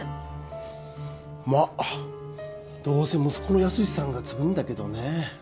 まっどうせ息子の泰司さんが継ぐんだけどね